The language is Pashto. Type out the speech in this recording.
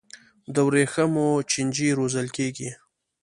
د ورېښمو چینجي روزل کیږي؟